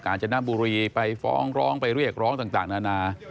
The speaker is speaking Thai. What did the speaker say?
จนบุรีไปฟ้องร้องไปเรียกร้องต่างนานา